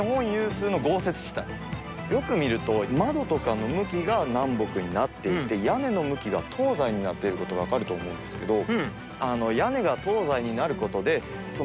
よく見ると窓とかの向きが南北になっていて屋根の向きが東西になっている事がわかると思うんですけど。